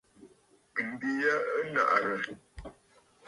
M̀bi ya ɨ nàʼàrə̀.